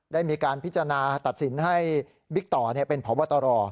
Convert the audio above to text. ได้มีการพิจารณาตัดสินให้บิ๊กต่อเป็นพบตร